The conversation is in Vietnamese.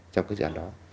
trong cái dự án đó